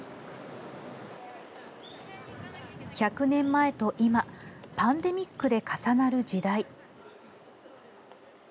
１００年前と今パンデミックで重なる時代。